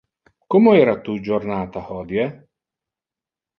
Como era tu jornata hodie?